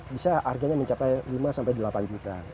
bisa harganya mencapai lima sampai delapan juta